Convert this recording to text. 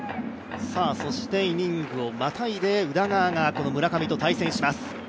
そしてイニングをまたいで宇田川が村上と対戦します。